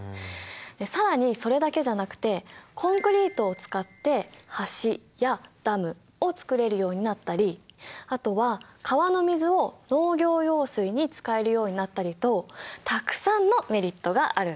更にそれだけじゃなくてコンクリートを使って橋やダムをつくれるようになったりあとは川の水を農業用水に使えるようになったりとたくさんのメリットがあるんだよ。